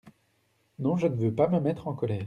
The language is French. Non, je ne veux pas me mettre en colère.